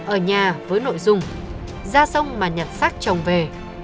ở nhà với nội dung ra sông mà nhặt xác chồng về